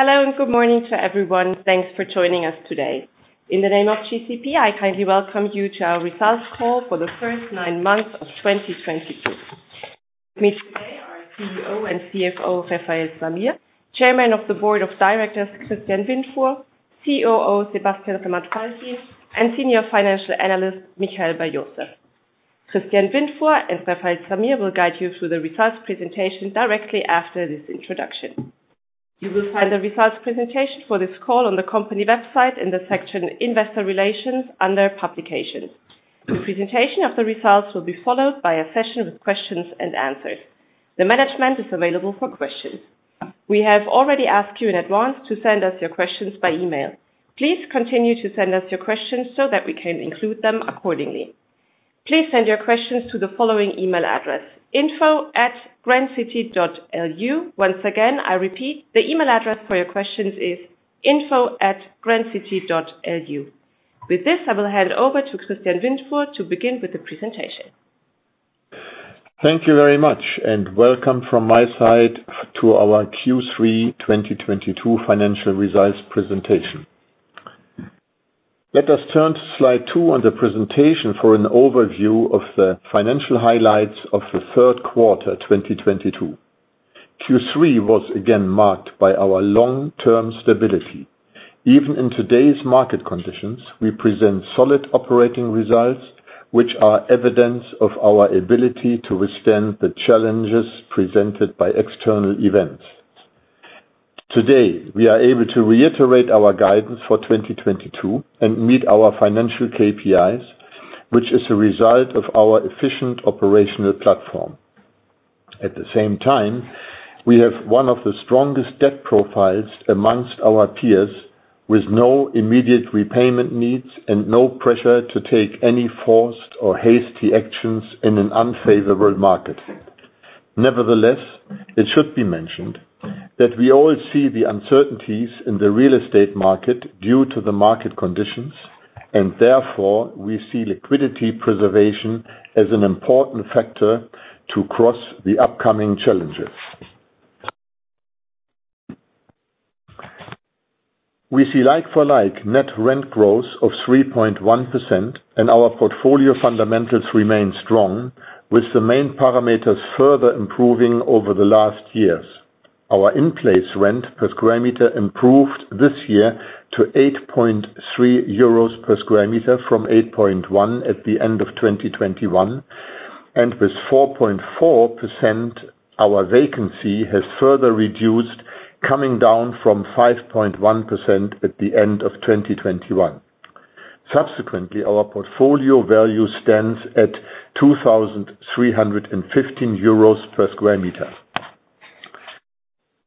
Hello, good morning to everyone. Thanks for joining us today. In the name of GCP, I kindly welcome you to our Results Call for the First Nine Months of 2022. With me today are CEO and CFO, Refael Zamir, Chairman of the Board of Directors, Christian Windfuhr, COO, Sebastian Remmert-Faltin, and Senior Financial Analyst, Michael Bar-Yosef. Christian Windfuhr and Refael Zamir will guide you through the results presentation directly after this introduction. You will find the results presentation for this call on the company website in the section Investor Relations under Publications. The presentation of the results will be followed by a session with questions and answers. The management is available for questions. We have already asked you in advance to send us your questions by email. Please continue to send us your questions so that we can include them accordingly. Please send your questions to the following email address, info@grandcity.lu. Once again, I repeat, the email address for your questions is info@grandcity.lu. With this, I will hand over to Christian Windfuhr to begin with the presentation. Thank you very much, welcome from my side to our Q3 2022 Financial Results Presentation. Let us turn to slide two on the presentation for an overview of the financial highlights of the third quarter, 2022. Q3 was again marked by our long-term stability. Even in today's market conditions, we present solid operating results, which are evidence of our ability to withstand the challenges presented by external events. Today, we are able to reiterate our guidance for 2022 and meet our financial KPIs, which is a result of our efficient operational platform. At the same time, we have one of the strongest debt profiles amongst our peers, with no immediate repayment needs and no pressure to take any forced or hasty actions in an unfavorable market. It should be mentioned that we all see the uncertainties in the real estate market due to the market conditions, and therefore, we see liquidity preservation as an important factor to cross the upcoming challenges. We see like-for-like net rent growth of 3.1%, and our portfolio fundamentals remain strong, with the main parameters further improving over the last years. Our in-place rent per square meter improved this year to 8.3 euros per square meter from 8.1 at the end of 2021. With 4.4%, our vacancy has further reduced, coming down from 5.1% at the end of 2021. Subsequently, our portfolio value stands at 2,315 euros per square meter.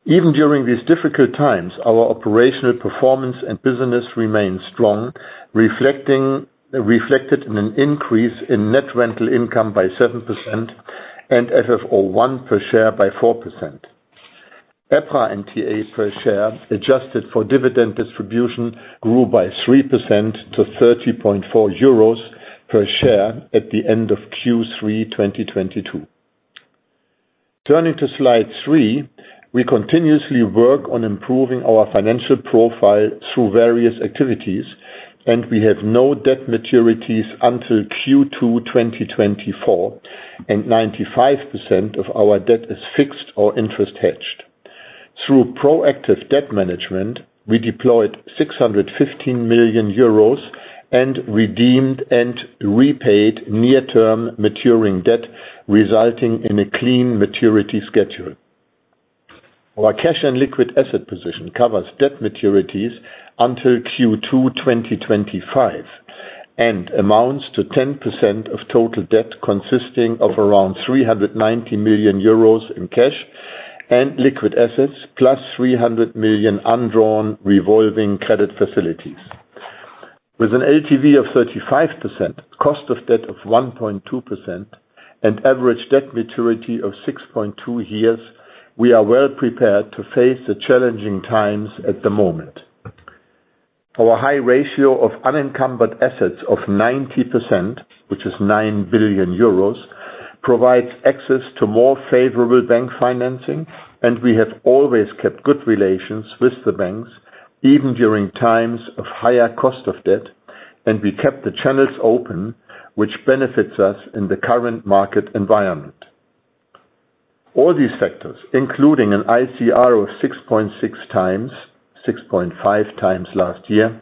Even during these difficult times, our operational performance and business remain strong, reflected in an increase in net rental income by 7% and FFO I per share by 4%. EPRA NTA per share, adjusted for dividend distribution, grew by 3% to 30.4 euros per share at the end of Q3 2022. Turning to slide three, we continuously work on improving our financial profile through various activities. We have no debt maturities until Q2 2024. 95% of our debt is fixed or interest hedged. Through proactive debt management, we deployed 615 million euros and redeemed and repaid near-term maturing debt, resulting in a clean maturity schedule. Our cash and liquid asset position covers debt maturities until Q2 2025 and amounts to 10% of total debt consisting of around 390 million euros in cash and liquid assets, +300 million undrawn revolving credit facilities. With an LTV of 35%, cost of debt of 1.2%, and average debt maturity of 6.2 years, we are well prepared to face the challenging times at the moment. Our high ratio of unencumbered assets of 90%, which is 9 billion euros, provides access to more favorable bank financing. We have always kept good relations with the banks, even during times of higher cost of debt. We kept the channels open, which benefits us in the current market environment. All these factors, including an ICR of 6.6x, 6.5x last year,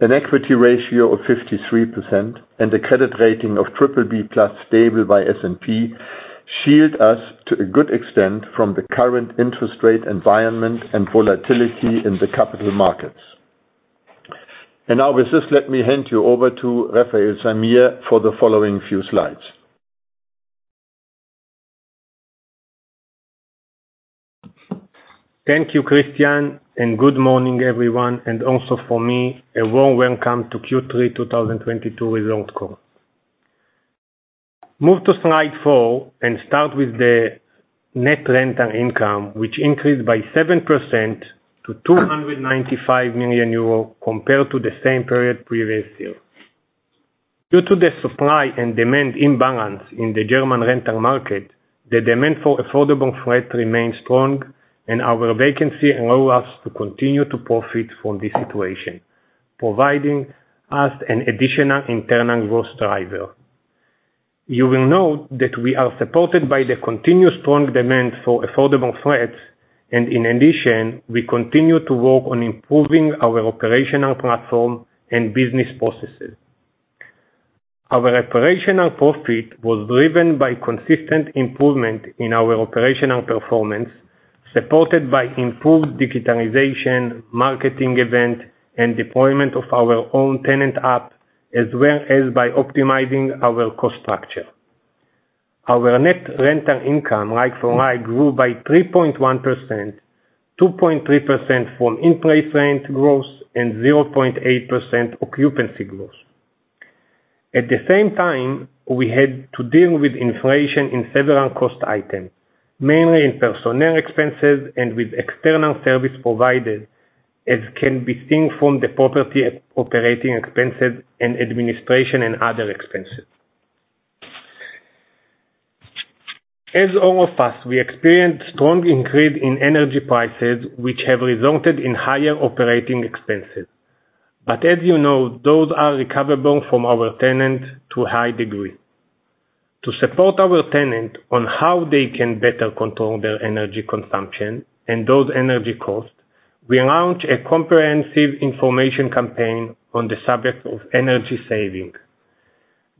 an equity ratio of 53%, and a credit rating of BBB+ stable by S&P, shield us to a good extent from the current interest rate environment and volatility in the capital markets. Now with this, let me hand you over to Refael Zamir for the following few slides. Thank you, Christian. Good morning, everyone. Also from me, a warm welcome to Q3 2022 Result Call. Move to slide four and start with the net rental income, which increased by 7% to 295 million euro compared to the same period previous year. Due to the supply and demand imbalance in the German rental market, the demand for affordable flat remains strong. Our vacancy allow us to continue to profit from this situation, providing us an additional internal growth driver. You will note that we are supported by the continued strong demand for affordable flats. In addition, we continue to work on improving our operational platform and business processes. Our operational profit was driven by consistent improvement in our operational performance, supported by improved digitalization, marketing efforts, and deployment of our own tenant app, as well as by optimizing our cost structure. Our net rental income, like-for-like, grew by 3.1%, 2.3% from in-place rent growth, and 0.8% occupancy growth. At the same time, we had to deal with inflation in several cost items, mainly in personnel expenses and with external service providers, as can be seen from the property operating expenses and administration and other expenses. As all of us, we experienced strong increase in energy prices, which have resulted in higher operating expenses. As you know, those are recoverable from our tenants to a high degree. To support our tenants on how they can better control their energy consumption and those energy costs, we launched a comprehensive information campaign on the subject of energy saving.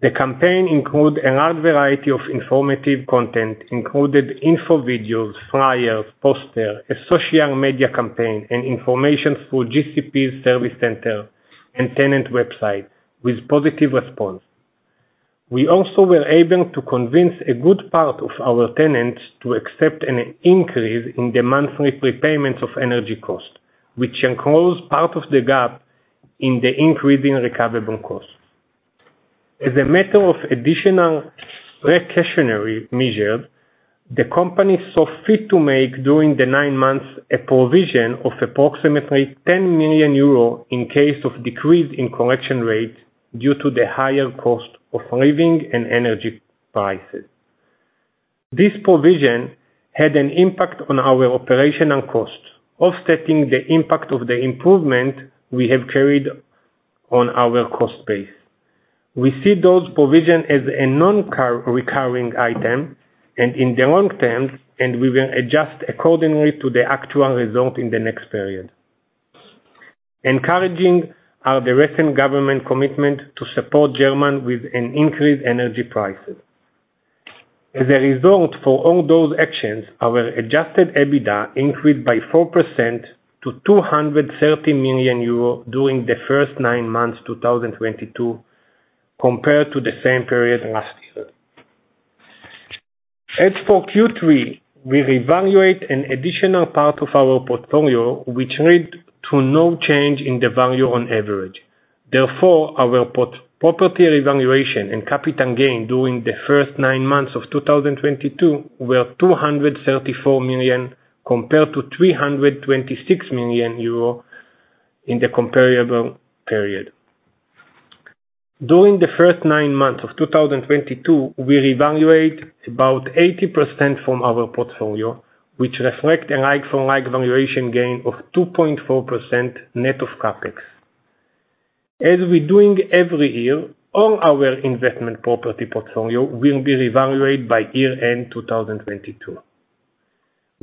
The campaign include a large variety of informative content, included info videos, flyers, poster, a social media campaign, and information through GCP service center and tenant website with positive response. We also were able to convince a good part of our tenants to accept an increase in the monthly prepayment of energy cost, which close part of the gap in the increasing recoverable costs. As a matter of additional precautionary measure, the company saw fit to make, during the nine months, a provision of approximately 10 million euro in case of decrease in collection rates due to the higher cost of living and energy prices. This provision had an impact on our operational costs, offsetting the impact of the improvement we have carried on our cost base. We see those provisions as a non-recurring item, and in the long term, and we will adjust accordingly to the actual result in the next period. Encouraging are the recent government commitment to support Germans with increased energy prices. As a result of all those actions, our adjusted EBITDA increased by 4% to 230 million euro during the first nine months of 2022, compared to the same period last year. As for Q3, we reevaluated an additional part of our portfolio, which led to no change in the value on average. Therefore, our property revaluation and capital gain during the first nine months of 2022 were 234 million, compared to 326 million euro in the comparable period. During the first nine months of 2022, we reevaluated about 80% of our portfolio, which reflected a like-for-like valuation gain of 2.4% net of CapEx. As we're doing every year, all our investment property portfolio will be reevaluated by year-end 2022.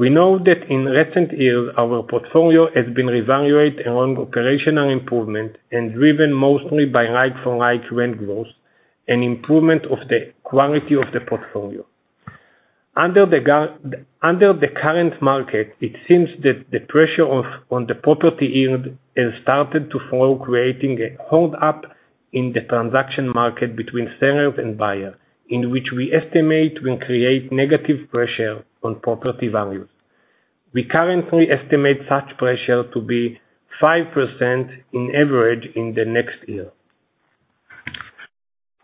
We know that in recent years, our portfolio has been reevaluated along operational improvement and driven mostly by like-for-like rent growth and improvement of the quality of the portfolio. Under the current market, it seems that the pressure on the property yield has started to fall, creating a hold-up in the transaction market between sellers and buyers, which we estimate will create negative pressure on property values. We currently estimate such pressure to be 5% on average in the next year.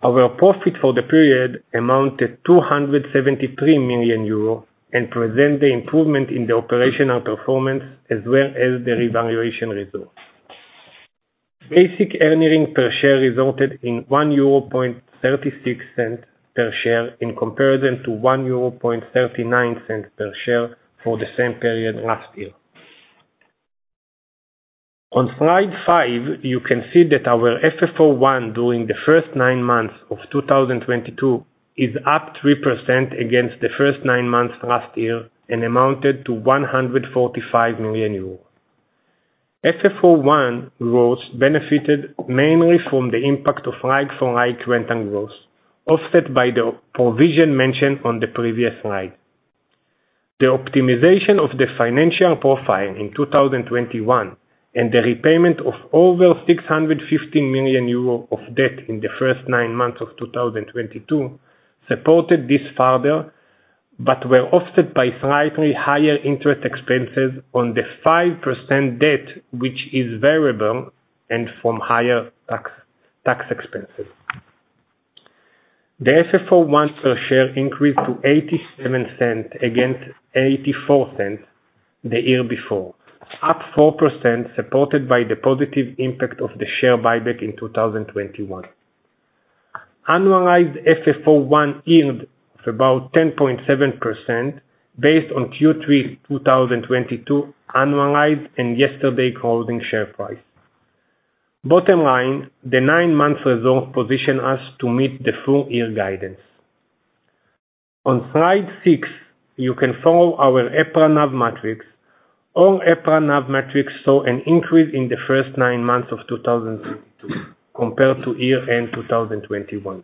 Our profit for the period amounted to 273 million euro and presents the improvement in the operational performance as well as the revaluation results. Basic earning per share resulted in 1.36 euro per share, in comparison to 1.39 euro per share for the same period last year. On slide five, you can see that our FFO I during the first nine months of 2022 is up 3% against the first nine months last year and amounted to 145 million euros. FFO I growth benefited mainly from the impact of like-for-like rental growth, offset by the provision mentioned on the previous slide. The optimization of the financial profile in 2021 and the repayment of over 615 million euro of debt in the first nine months of 2022 supported this further, but were offset by slightly higher interest expenses on the 5% debt, which is variable, and from higher tax expenses. The FFO I per share increased to 0.87 against 0.84 the year before, up 4%, supported by the positive impact of the share buyback in 2021. Annualized FFO I earned of about 10.7% based on Q3 2022 annualized and yesterday's closing share price. Bottom line, the nine months' result positions us to meet the full year guidance. On slide six, you can follow our EPRA NAV metrics. All EPRA NAV metrics saw an increase in the first nine months of 2022 compared to year-end 2021.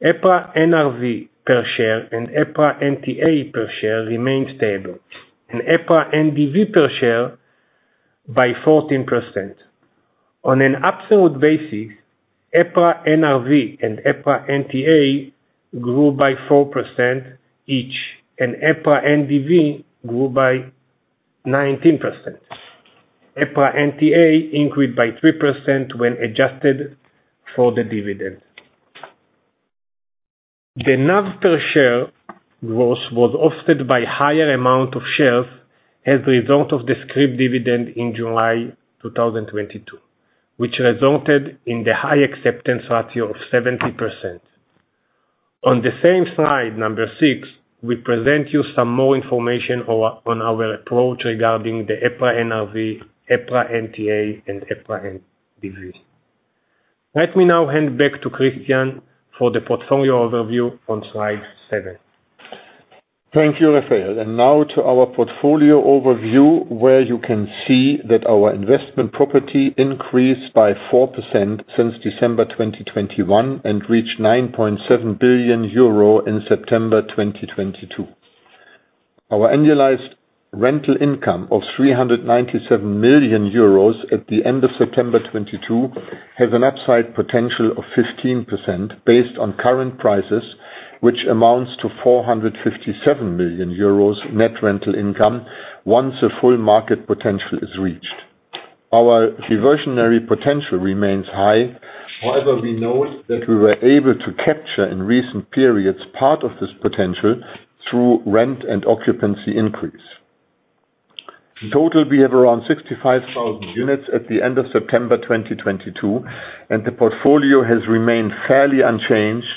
EPRA NRV per share and EPRA NTA per share remained stable, and EPRA NDV per share by 14%. On an absolute basis, EPRA NRV and EPRA NTA grew by 4% each, and EPRA NDV grew by 19%. EPRA NTA increased by 3% when adjusted for the dividend. The NAV per share was offset by higher amount of shares as a result of the scrip dividend in July 2022, which resulted in the high acceptance ratio of 70%. On the same slide six, we present you some more information on our approach regarding the EPRA NRV, EPRA NTA, and EPRA NDV. Let me now hand back to Christian for the portfolio overview on slide seven. Thank you, Refael. Now to our portfolio overview, where you can see that our investment property increased by 4% since December 2021 and reached 9.7 billion euro in September 2022. Our annualized rental income of 397 million euros at the end of September 2022 has an upside potential of 15% based on current prices, which amounts to 457 million euros net rental income once the full market potential is reached. Our reversionary potential remains high. However, we note that we were able to capture in recent periods part of this potential through rent and occupancy increase. In total, we have around 65,000 units at the end of September 2022, and the portfolio has remained fairly unchanged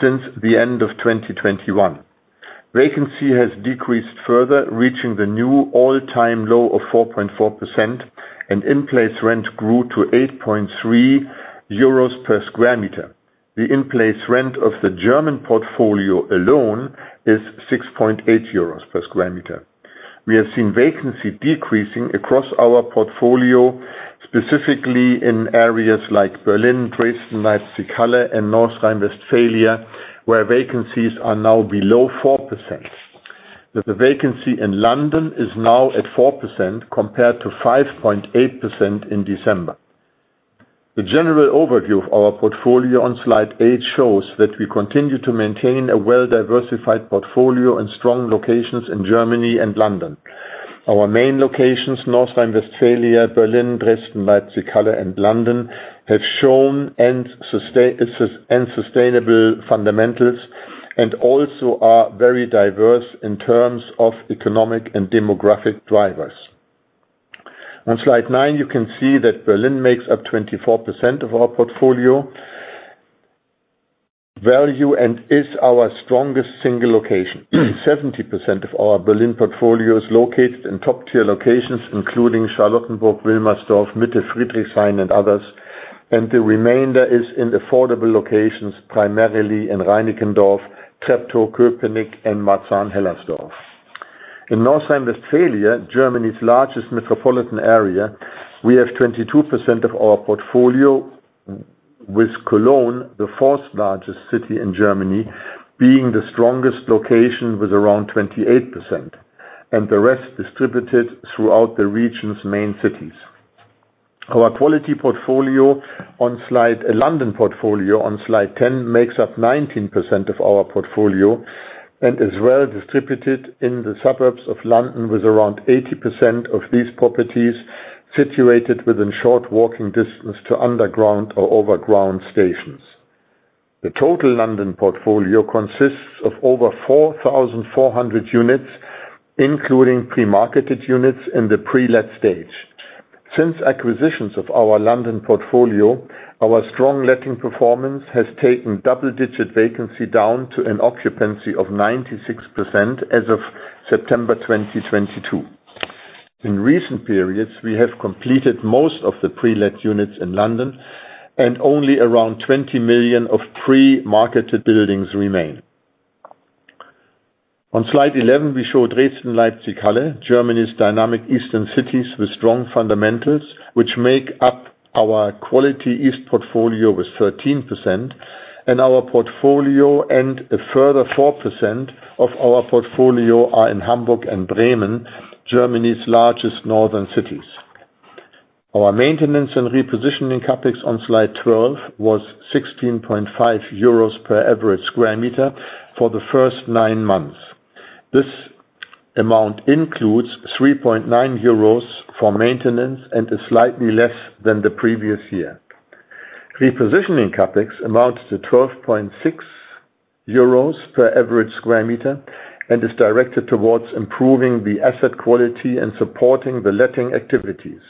since the end of 2021. Vacancy has decreased further, reaching the new all-time low of 4.4%, and in-place rent grew to 8.3 euros per square meter. The in-place rent of the German portfolio alone is 6.8 euros per square meter. We have seen vacancy decreasing across our portfolio, specifically in areas like Berlin, Dresden, Leipzig/Halle, and North Rhine-Westphalia, where vacancies are now below 4%. The vacancy in London is now at 4%, compared to 5.8% in December. The general overview of our portfolio on slide eight shows that we continue to maintain a well-diversified portfolio and strong locations in Germany and London. Our main locations, North Rhine-Westphalia, Berlin, Dresden, Leipzig/Halle, and London, have shown strong sustainable fundamentals and also are very diverse in terms of economic and demographic drivers. On slide nine, you can see that Berlin makes up 24% of our portfolio value and is our strongest single location. 70% of our Berlin portfolio is located in top-tier locations, including Charlottenburg, Wilmersdorf, Mitte, Friedrichshain, and others, and the remainder is in affordable locations, primarily in Reinickendorf, Treptow, Köpenick, and Marzahn-Hellersdorf. In North Rhine-Westphalia, Germany's largest metropolitan area, we have 22% of our portfolio, with Cologne, the fourth largest city in Germany, being the strongest location with around 28%, and the rest distributed throughout the region's main cities. London portfolio on slide 10 makes up 19% of our portfolio and is well distributed in the suburbs of London, with around 80% of these properties situated within short walking distance to underground or overground stations. The total London portfolio consists of over 4,400 units, including pre-marketed units in the pre-let stage. Since acquisitions of our London portfolio, our strong letting performance has taken double-digit vacancy down to an occupancy of 96% as of September 2022. In recent periods, we have completed most of the pre-let units in London, only around 20 million of pre-marketed buildings remain. On slide 11, we show Dresden, Leipzig/Halle, Germany's dynamic eastern cities with strong fundamentals, which make up our quality east portfolio with 13%, a further 4% of our portfolio are in Hamburg and Bremen, Germany's largest northern cities. Our maintenance and repositioning CapEx on slide 12 was 16.5 euros per average square meter for the first nine months. This amount includes 3.9 euros for maintenance and is slightly less than the previous year. Repositioning CapEx amounts to 12.6 euros per average square meter and is directed towards improving the asset quality and supporting the letting activities.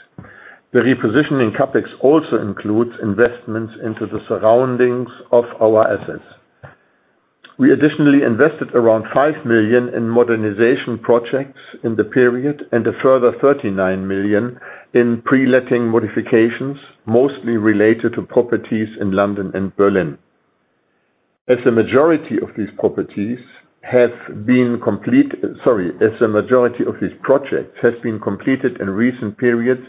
The repositioning CapEx also includes investments into the surroundings of our assets. We additionally invested around 5 million in modernization projects in the period, a further 39 million in pre-letting modifications, mostly related to properties in London and Berlin. As the majority of these projects has been completed in recent periods,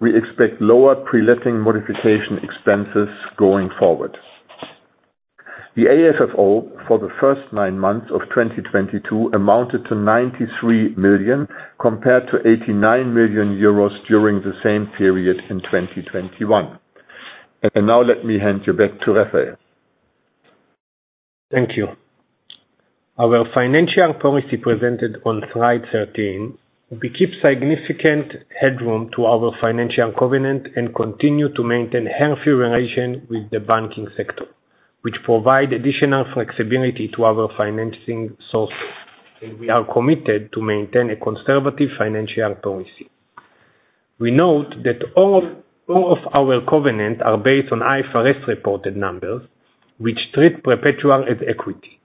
we expect lower pre-letting modification expenses going forward. The AFFO for the first nine months of 2022 amounted to 93 million compared to 89 million euros during the same period in 2021. Now let me hand you back to Refael. Thank you. Our financial policy presented on slide 13, we keep significant headroom to our financial covenant and continue to maintain healthy relation with the banking sector, which provide additional flexibility to our financing sources. We are committed to maintain a conservative financial policy. We note that all of our covenant are based on IFRS reported numbers, which treat perpetual as equity.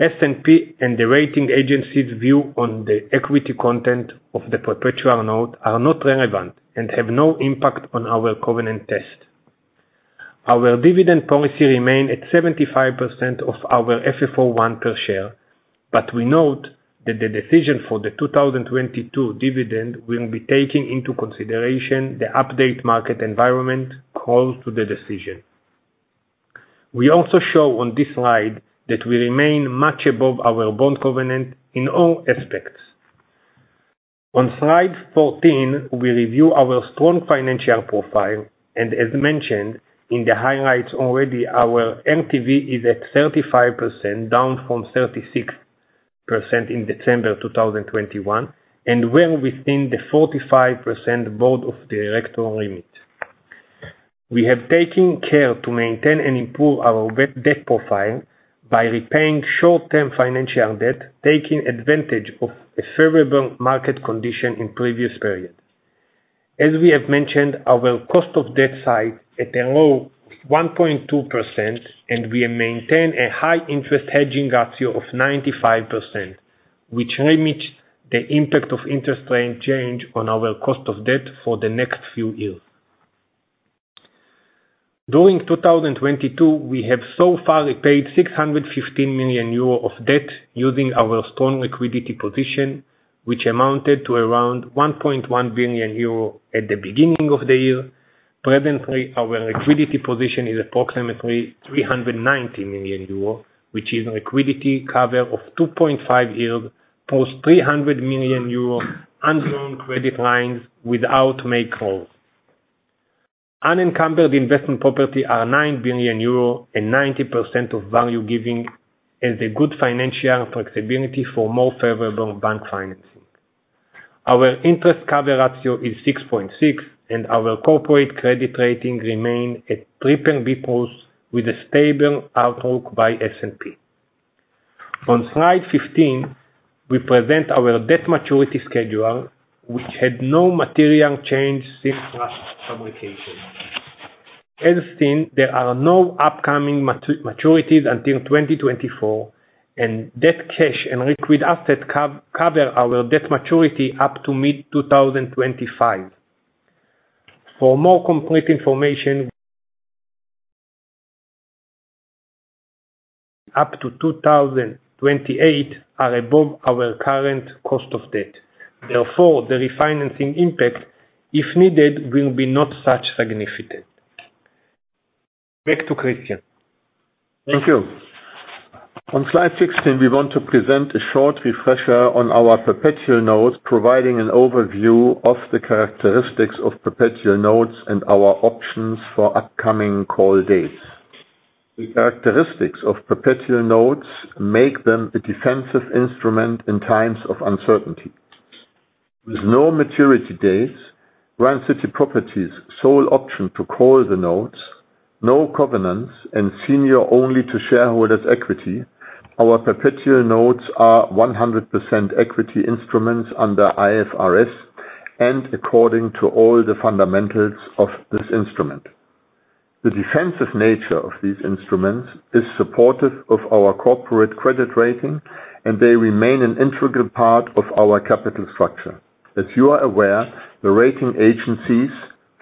S&P and the rating agency's view on the equity content of the perpetual note are not relevant and have no impact on our covenant test. Our dividend policy remain at 75% of our FFO I per share, We note that the decision for the 2022 dividend will be taking into consideration the update market environment close to the decision. We also show on this slide that we remain much above our bond covenant in all aspects. On slide 14, we review our strong financial profile, as mentioned in the highlights already, our LTV is at 35%, down from 36% in December 2021, well within the 45% Board of Directors limit. We have taken care to maintain and improve our debt profile by repaying short-term financial debt, taking advantage of a favorable market condition in previous periods. As we have mentioned, our cost of debt size at a low 1.2%, We maintain a high interest hedging ratio of 95%, which limits the impact of interest rate change on our cost of debt for the next few years. During 2022, we have so far repaid 615 million euro of debt using our strong liquidity position, which amounted to around 1.1 billion euro at the beginning of the year. Presently, our liquidity position is approximately 390 million euro, which is liquidity cover of 2.5 years, +300 million euro undrawn credit lines without margin calls. Unencumbered investment property are 9 billion euro and 90% of value giving as a good financial flexibility for more favorable bank financing. Our interest cover ratio is 6.6, and our corporate credit rating remain at BBB+ with a stable outlook by S&P. On slide 15, we present our debt maturity schedule, which had no material change since last publication. As seen, there are no upcoming maturities until 2024, and debt cash and liquid assets cover our debt maturity up to mid-2025. For more complete information up to 2028 are above our current cost of debt. Therefore, the refinancing impact, if needed, will be not such significant. Back to Christian. Thank you. On slide 16, we want to present a short refresher on our perpetual notes, providing an overview of the characteristics of perpetual notes and our options for upcoming call dates. The characteristics of perpetual notes make them a defensive instrument in times of uncertainty. With no maturity dates, Grand City Properties' sole option to call the notes, no covenants and senior only to shareholders equity. Our perpetual notes are 100% equity instruments under IFRS, and according to all the fundamentals of this instrument. The defensive nature of these instruments is supportive of our corporate credit rating, and they remain an integral part of our capital structure. As you are aware, the rating agencies,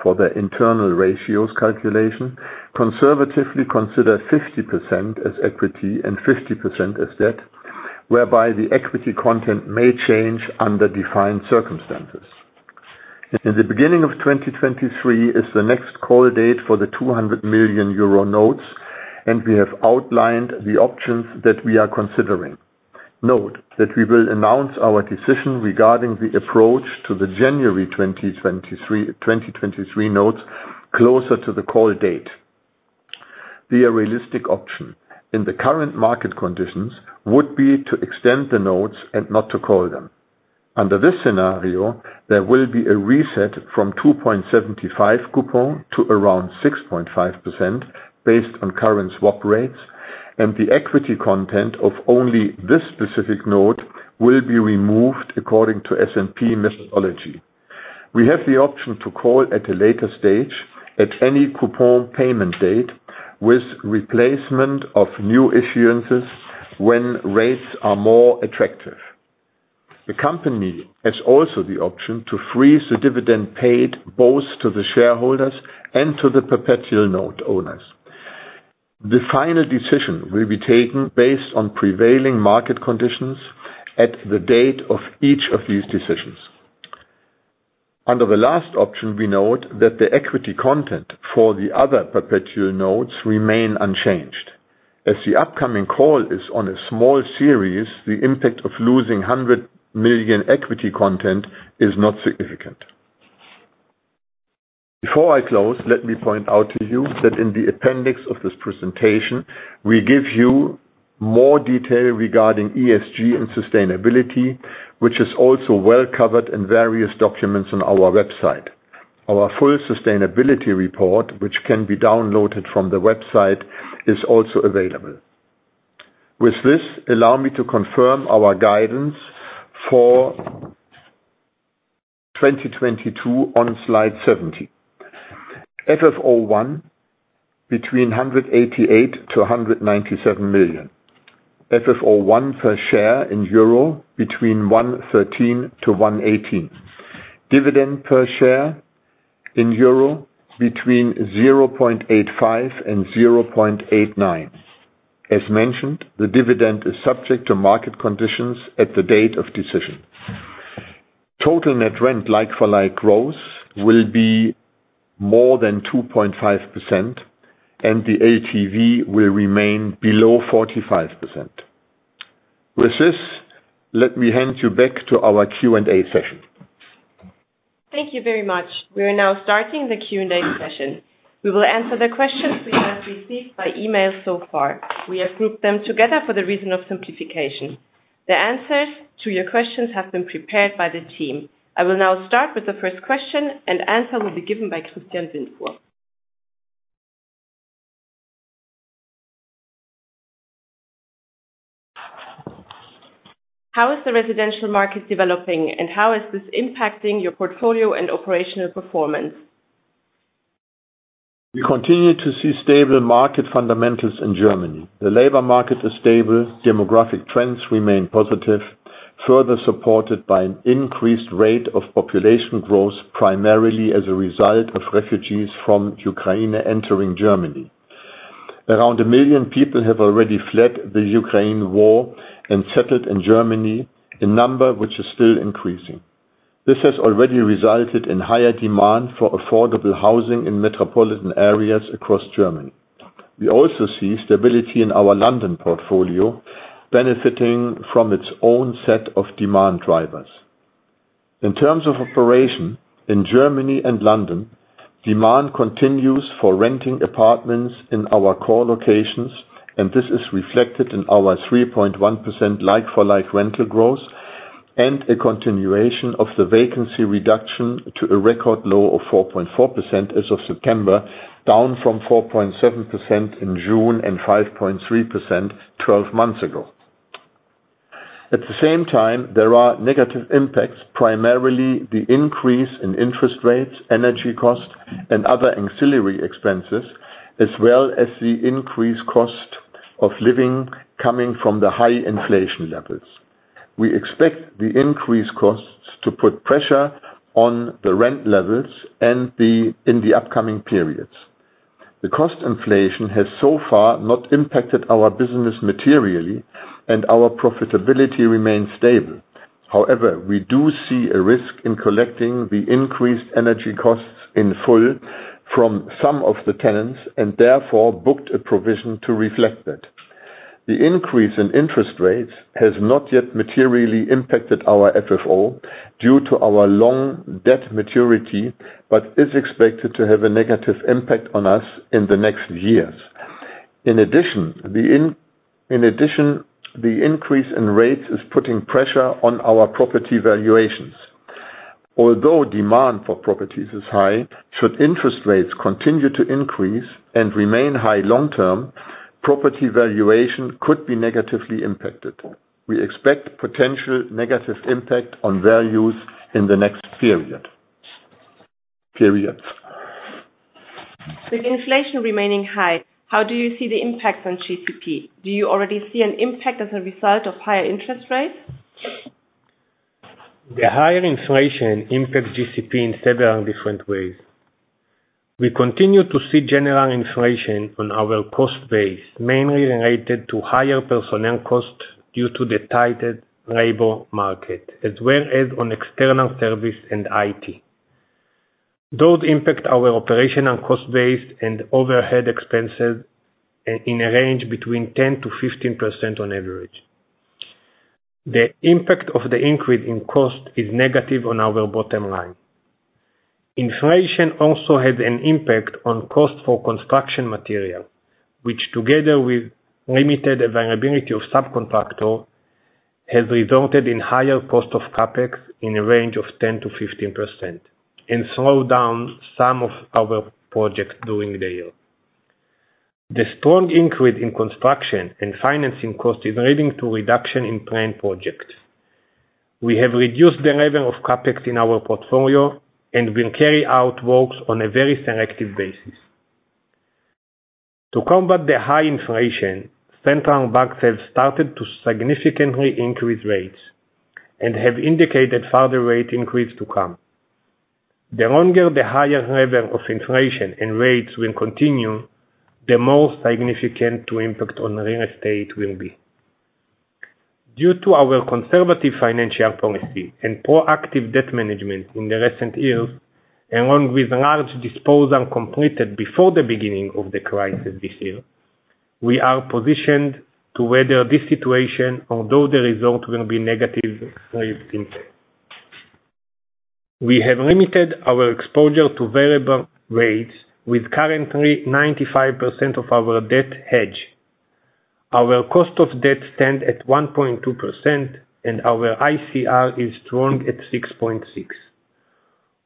for their internal ratios calculation, conservatively consider 50% as equity and 50% as debt, whereby the equity content may change under defined circumstances. In the beginning of 2023 is the next call date for the 200 million euro notes, we have outlined the options that we are considering. Note that we will announce our decision regarding the approach to the January 2023 notes closer to the call date. Be a realistic option. In the current market conditions would be to extend the notes and not to call them. Under this scenario, there will be a reset from 2.75 coupon to around 6.5% based on current swap rates, and the equity content of only this specific note will be removed according to S&P methodology. We have the option to call at a later stage at any coupon payment date with replacement of new issuances when rates are more attractive. The company has also the option to freeze the dividend paid both to the shareholders and to the perpetual note owners. The final decision will be taken based on prevailing market conditions at the date of each of these decisions. Under the last option, we note that the equity content for the other perpetual notes remain unchanged. As the upcoming call is on a small series, the impact of losing 100 million equity content is not significant. Before I close, let me point out to you that in the appendix of this presentation, we give you more detail regarding ESG and sustainability, which is also well covered in various documents on our website. Our full sustainability report, which can be downloaded from the website, is also available. With this, allow me to confirm our guidance for 2022 on slide 70. FFO I between 188 million-197 million. FFO I per share in EUR between 1.13-1.18 euro. Dividend per share in EUR between 0.85 euro and 0.89. As mentioned, the dividend is subject to market conditions at the date of decision. Total net rent like-for-like growth will be more than 2.5%, and the LTV will remain below 45%. With this, let me hand you back to our Q&A session. Thank you very much. We are now starting the Q&A session. We will answer the questions we have received by email so far. We have grouped them together for the reason of simplification. The answers to your questions have been prepared by the team. I will now start with the first question, and answer will be given by Christian Windfuhr. How is the residential market developing, and how is this impacting your portfolio and operational performance? We continue to see stable market fundamentals in Germany. The labor market is stable. Demographic trends remain positive, further supported by an increased rate of population growth, primarily as a result of refugees from Ukraine entering Germany. Around a million people have already fled the Ukraine war and settled in Germany, a number which is still increasing. This has already resulted in higher demand for affordable housing in metropolitan areas across Germany. We also see stability in our London portfolio, benefiting from its own set of demand drivers. In terms of operation in Germany and London, demand continues for renting apartments in our core locations, and this is reflected in our 3.1% like-for-like rental growth and a continuation of the vacancy reduction to a record low of 4.4% as of September, down from 4.7% in June and 5.3% 12 months ago. At the same time, there are negative impacts, primarily the increase in interest rates, energy costs, and other ancillary expenses, as well as the increased cost of living coming from the high inflation levels. We expect the increased costs to put pressure on the rent levels in the upcoming periods. The cost inflation has so far not impacted our business materially, and our profitability remains stable. However, we do see a risk in collecting the increased energy costs in full from some of the tenants, and therefore booked a provision to reflect that. The increase in interest rates has not yet materially impacted our FFO due to our long debt maturity, but is expected to have a negative impact on us in the next years. In addition, the increase in rates is putting pressure on our property valuations. Although demand for properties is high, should interest rates continue to increase and remain high long-term, property valuation could be negatively impacted. We expect potential negative impact on values in the next periods. With inflation remaining high, how do you see the impact on GCP? Do you already see an impact as a result of higher interest rates? The higher inflation impacts GCP in several different ways. We continue to see general inflation on our cost base, mainly related to higher personnel costs due to the tighter labor market, as well as on external service and IT. Those impact our operational cost base and overhead expenses in a range between 10%-15% on average. The impact of the increase in cost is negative on our bottom line. Inflation also has an impact on cost for construction material, which together with limited availability of subcontractor, has resulted in higher cost of CapEx in a range of 10%-15%, and slowed down some of our projects during the year. The strong increase in construction and financing cost is leading to reduction in planned projects. We have reduced the level of CapEx in our portfolio and will carry out works on a very selective basis. To combat the high inflation, central banks have started to significantly increase rates and have indicated further rate increase to come. The longer the higher level of inflation and rates will continue, the more significant the impact on real estate will be. Due to our conservative financial policy and proactive debt management in the recent years, along with large disposal completed before the beginning of the crisis this year, we are positioned to weather this situation, although the result will be negative. We have limited our exposure to variable rates with currently 95% of our debt hedged. Our cost of debt stand at 1.2% and our ICR is strong at 6.6.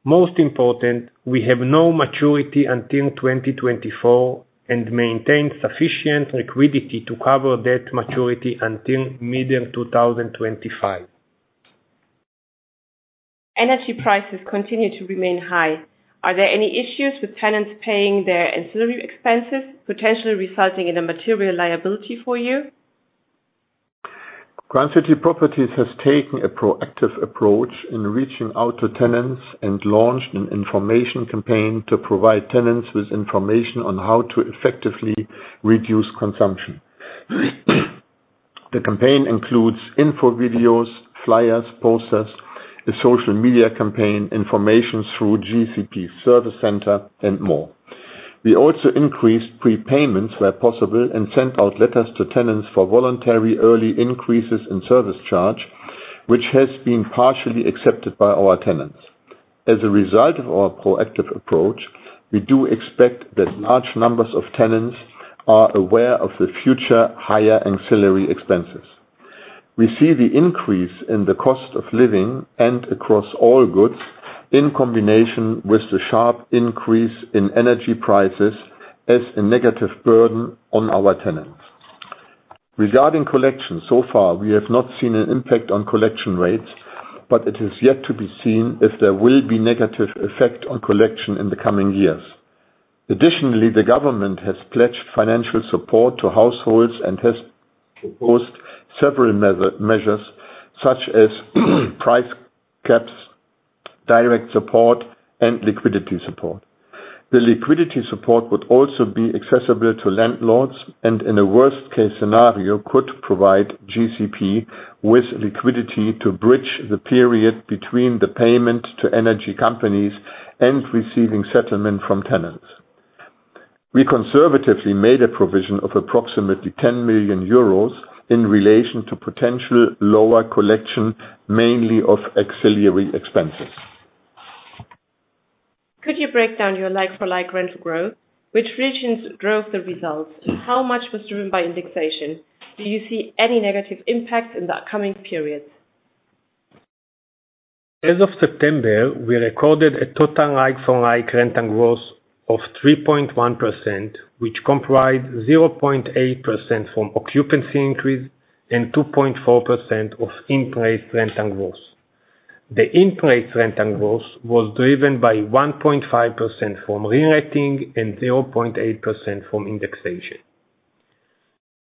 Most important, we have no maturity until 2024 and maintain sufficient liquidity to cover debt maturity until mid-2025. Energy prices continue to remain high. Are there any issues with tenants paying their ancillary expenses, potentially resulting in a material liability for you? Grand City Properties has taken a proactive approach in reaching out to tenants and launched an information campaign to provide tenants with information on how to effectively reduce consumption. The campaign includes info videos, flyers, posters, a social media campaign, information through GCP service center, and more. We also increased prepayments where possible and sent out letters to tenants for voluntary early increases in service charge, which has been partially accepted by our tenants. As a result of our proactive approach, we do expect that large numbers of tenants are aware of the future higher ancillary expenses. We see the increase in the cost of living and across all goods in combination with the sharp increase in energy prices as a negative burden on our tenants. Regarding collection, so far, we have not seen an impact on collection rates, but it is yet to be seen if there will be negative effect on collection in the coming years. Additionally, the government has pledged financial support to households and has proposed several measures such as price caps, direct support, and liquidity support. The liquidity support would also be accessible to landlords, and in a worst case scenario, could provide GCP with liquidity to bridge the period between the payment to energy companies and receiving settlement from tenants. We conservatively made a provision of approximately 10 million euros in relation to potential lower collection, mainly of ancillary expenses. Could you break down your like-for-like rental growth? Which regions drove the results? How much was driven by indexation? Do you see any negative impacts in the upcoming periods? As of September, we recorded a total like-for-like rent and growth of 3.1%, which comprised 0.8% from occupancy increase and 2.4% of in-place rent and growth. The in-place rent and growth was driven by 1.5% from reletting and 0.8% from indexation.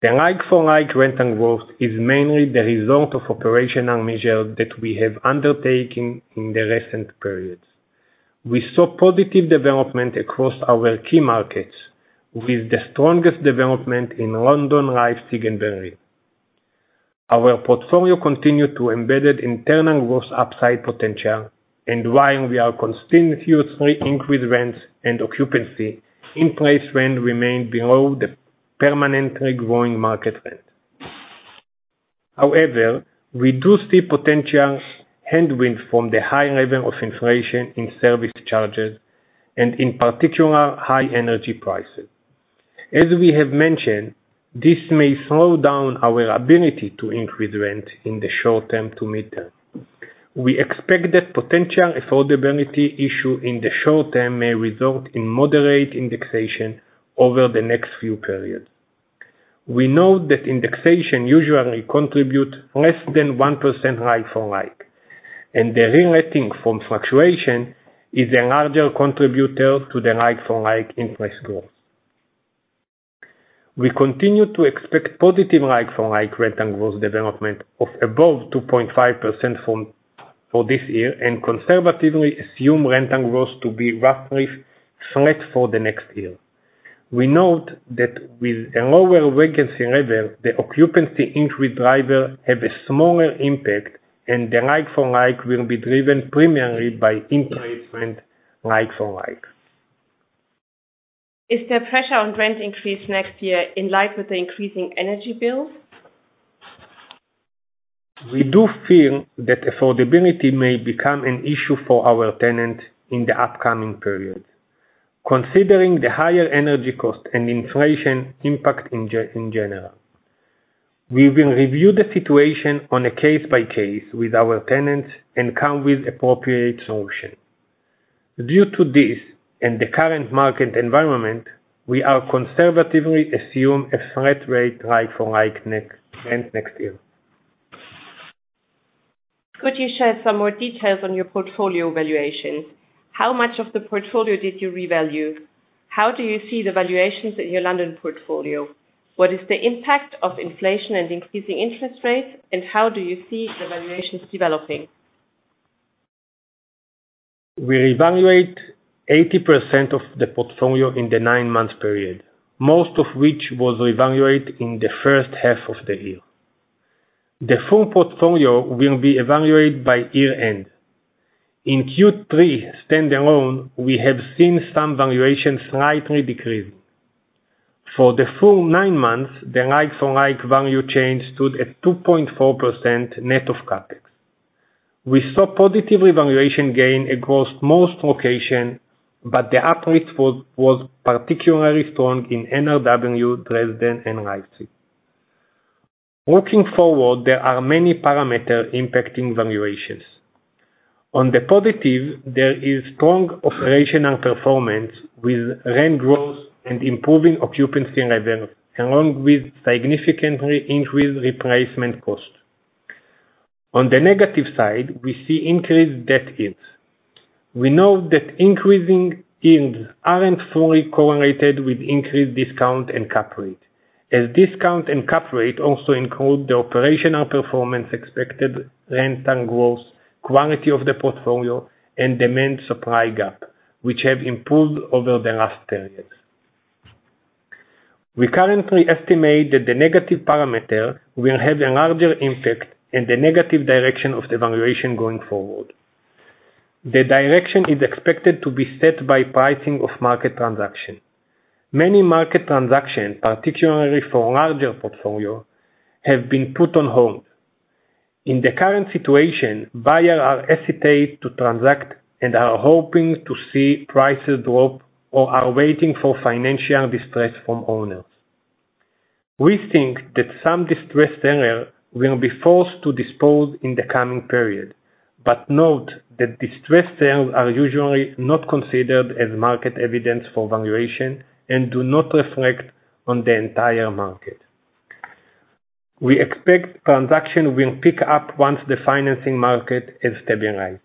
The like-for-like rent and growth is mainly the result of operational measures that we have undertaken in the recent periods. We saw positive development across our key markets, with the strongest development in London, Leipzig, and Berlin. Our portfolio continued to embed internal growth upside potential, and while we are continuously increase rents and occupancy, in-place rent remained below the permanently growing market rent. However, we do see potential headwinds from the high level of inflation in service charges and in particular, high energy prices. As we have mentioned, this may slow down our ability to increase rent in the short term to mid-term. We expect that potential affordability issue in the short term may result in moderate indexation over the next few periods. We know that indexation usually contribute less than 1% like for like, and the reletting from fluctuation is a larger contributor to the like-for-like in-place growth. We continue to expect positive like-for-like rent and growth development of above 2.5% for this year, and conservatively assume rent and growth to be roughly flat for the next year. We note that with a lower vacancy level, the occupancy entry driver have a smaller impact, and the like-for-like will be driven primarily by in-place rent like-for-like. Is there pressure on rent increase next year in light with the increasing energy bills? We do feel that affordability may become an issue for our tenants in the upcoming period. Considering the higher energy cost and inflation impact in general. We will review the situation on a case by case with our tenants and come with appropriate solution. Due to this and the current market environment, we are conservatively assume a slight rate like-for-like rent next year. Could you share some more details on your portfolio valuation? How much of the portfolio did you revalue? How do you see the valuations in your London portfolio? What is the impact of inflation and increasing interest rates, and how do you see the valuations developing? We revalue 80% of the portfolio in the nine-month period, most of which was evaluated in the first half of the year. The full portfolio will be evaluated by year-end. In Q3 stand-alone, we have seen some valuation slightly decreasing. For the full nine months, the like-for-like value change stood at 2.4% net of CapEx. We saw positive revaluation gain across most locations, but the uplift was particularly strong in NRW, Dresden, and Leipzig. Looking forward, there are many parameters impacting valuations. On the positive, there is strong operational performance with rent growth and improving occupancy levels, along with significantly increased replacement cost. On the negative side, we see increased debt yields. We know that increasing yields aren't fully correlated with increased discount and cap rate, as discount and cap rate also include the operational performance expected rent and growth, quality of the portfolio, and demand supply gap, which have improved over the last periods. We currently estimate that the negative parameter will have a larger impact in the negative direction of the valuation going forward. The direction is expected to be set by pricing of market transaction. Many market transaction, particularly for larger portfolio, have been put on hold. In the current situation, buyers are hesitant to transact and are hoping to see prices drop or are waiting for financial distress from owners. We think that some distressed seller will be forced to dispose in the coming period, but note that distressed sales are usually not considered as market evidence for valuation and do not reflect on the entire market. We expect transaction will pick up once the financing market has stabilized,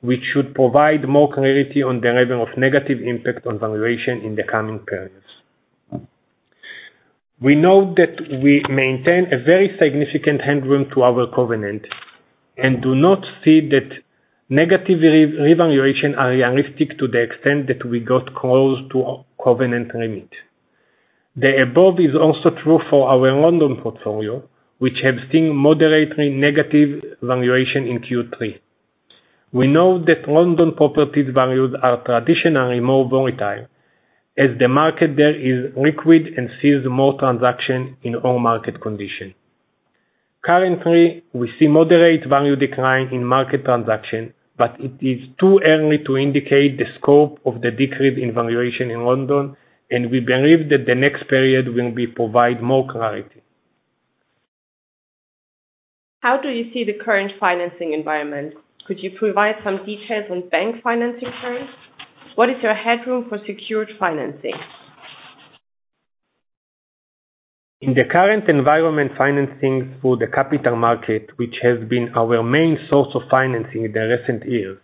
which should provide more clarity on the level of negative impact on valuation in the coming periods. We know that we maintain a very significant headroom to our covenant and do not see that negative revaluation are realistic to the extent that we got close to our covenant limit. The above is also true for our London portfolio, which have seen moderately negative valuation in Q3. We know that London properties values are traditionally more volatile, as the market there is liquid and sees more transaction in all market condition. Currently, we see moderate value decline in market transaction, but it is too early to indicate the scope of the decrease in valuation in London, and we believe that the next period will provide more clarity. How do you see the current financing environment? Could you provide some details on bank financing terms? What is your headroom for secured financing? In the current environment, financing through the capital market, which has been our main source of financing in the recent years,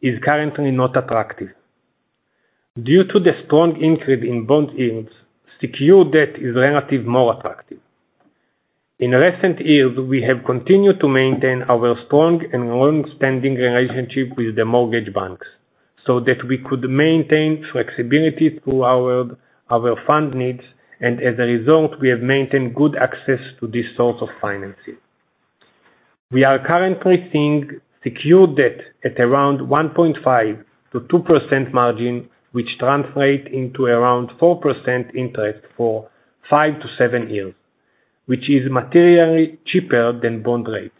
is currently not attractive. Due to the strong increase in bond yields, secure debt is relative more attractive. In recent years, we have continued to maintain our strong and long-standing relationship with the mortgage banks so that we could maintain flexibility through our fund needs, and as a result, we have maintained good access to this source of financing. We are currently seeing secured debt at around 1.5%-2% margin, which translate into around 4% interest for five to seven years, which is materially cheaper than bond rates.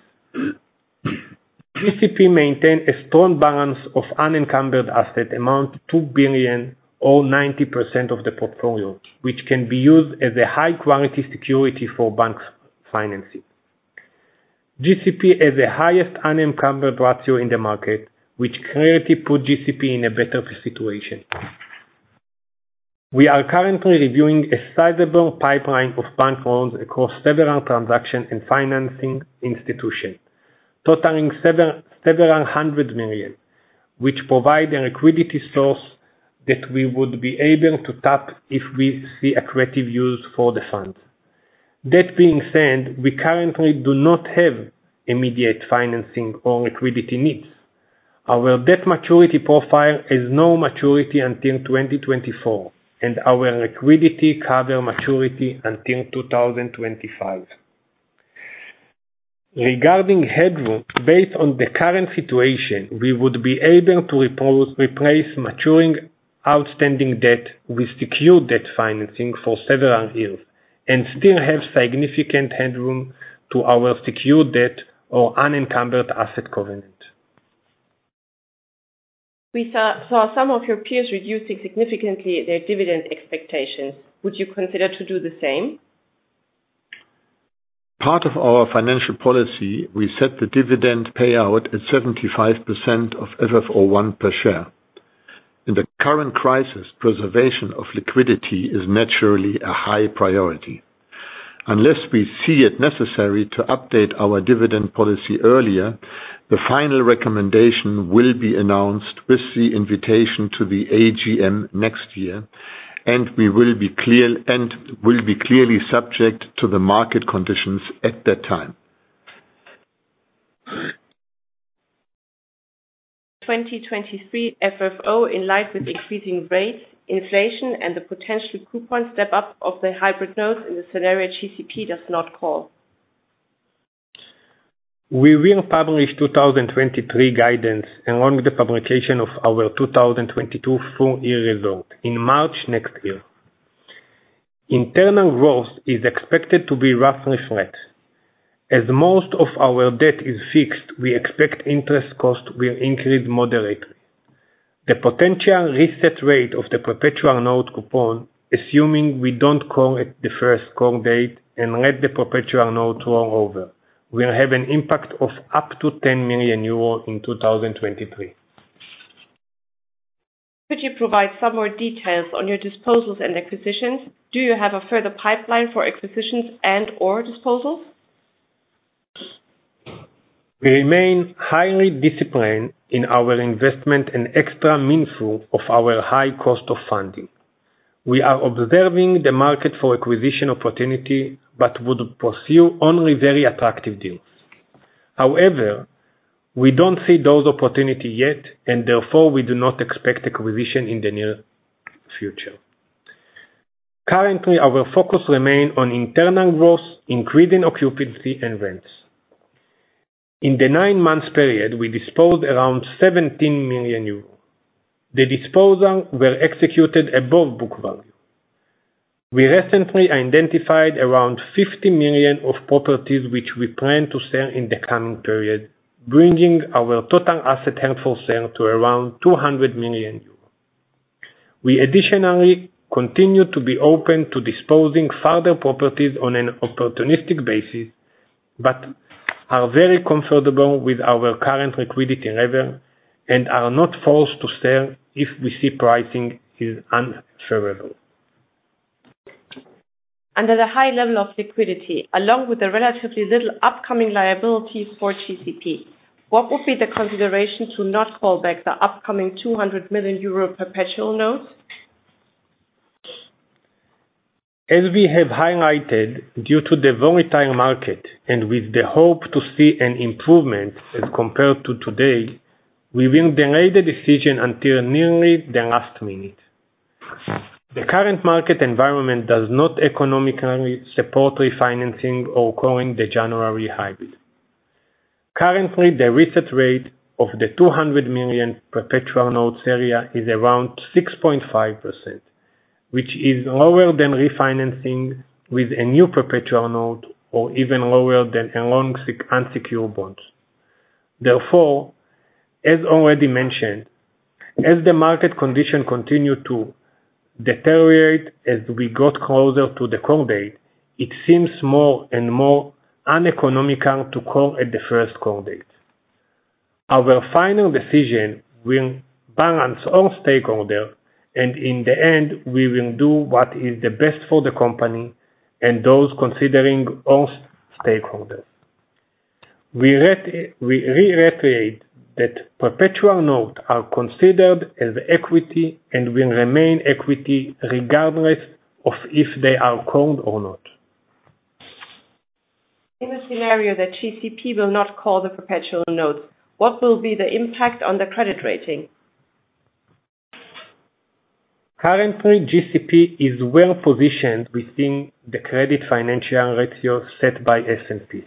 GCP maintain a strong balance of unencumbered asset amount 2 billion or 90% of the portfolio, which can be used as a high-quality security for banks financing. GCP has the highest unencumbered ratio in the market, which clearly put GCP in a better situation. We are currently reviewing a sizable pipeline of bank loans across several transaction and financing institution, totaling several hundred million, which provide a liquidity source that we would be able to tap if we see accretive use for the funds. That being said, we currently do not have immediate financing or liquidity needs. Our debt maturity profile has no maturity until 2024, and our liquidity cover maturity until 2025. Regarding headroom, based on the current situation, we would be able to replace maturing outstanding debt with secured debt financing for several years, and still have significant headroom to our secured debt or unencumbered asset covenant. We saw some of your peers reducing significantly their dividend expectations. Would you consider to do the same? Part of our financial policy, we set the dividend payout at 75% of FFO I per share. In the current crisis, preservation of liquidity is naturally a high priority. Unless we see it necessary to update our dividend policy earlier, the final recommendation will be announced with the invitation to the AGM next year, and will be clearly subject to the market conditions at that time. 2023 FFO in light with increasing rates, inflation, and the potential coupon step-up of the hybrid notes in the scenario GCP does not call. We will publish 2023 guidance along with the publication of our 2022 full year result in March next year. Internal growth is expected to be roughly flat. As most of our debt is fixed, we expect interest cost will increase moderately. The potential reset rate of the perpetual note coupon, assuming we don't call at the first call date and let the perpetual note roll over, will have an impact of up to 10 million euros in 2023. Could you provide some more details on your disposals and acquisitions? Do you have a further pipeline for acquisitions and/or disposals? We remain highly disciplined in our investment and extra mindful of our high cost of funding. We are observing the market for acquisition opportunity, but would pursue only very attractive deals. However, we don't see those opportunity yet, and therefore, we do not expect acquisition in the near future. Currently, our focus remain on internal growth, increasing occupancy, and rents. In the nine months period, we disposed around 17 million euros. The disposal were executed above book value. We recently identified around 50 million of properties which we plan to sell in the coming period, bringing our total asset held for sale to around 200 million euros. We additionally continue to be open to disposing further properties on an opportunistic basis, but are very comfortable with our current liquidity level and are not forced to sell if we see pricing is unfavorable. Under the high level of liquidity, along with the relatively little upcoming liabilities for GCP, what would be the consideration to not call back the upcoming 200 million euro perpetual notes? As we have highlighted, due to the volatile market and with the hope to see an improvement as compared to today, we will delay the decision until nearly the last minute. The current market environment does not economically support refinancing or calling the January hybrid. Currently, the reset rate of the 200 million perpetual notes area is around 6.5%, which is lower than refinancing with a new perpetual note or even lower than a long unsecured bonds. Therefore, as already mentioned, as the market condition continue to deteriorate as we got closer to the call date, it seems more and more uneconomical to call at the first call date. Our final decision will balance all stakeholder, and in the end, we will do what is the best for the company and those considering all stakeholders. We reiterate that perpetual note are considered as equity and will remain equity regardless of if they are called or not. In a scenario that GCP will not call the perpetual notes, what will be the impact on the credit rating? Currently, GCP is well-positioned within the credit financial ratio set by S&P.